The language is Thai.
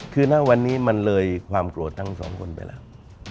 คือณวันนี้มันเลยความโกรธทั้งสองคนไปแล้ว